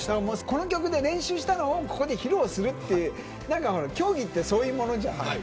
この曲で練習したのをここで披露するっていう競技ってそういうものじゃん。